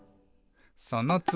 「そのつぎ」